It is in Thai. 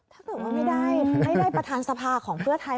ถ้าเกิดว่าไม่ได้ให้ได้ประธานสภาของเพื่อไทย